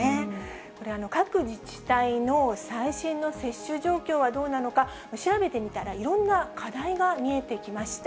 これ、各自治体の最新の接種状況はどうなのか、調べてみたらいろんな課題が見えてきました。